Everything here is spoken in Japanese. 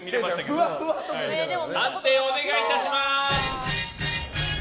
判定お願いいたします。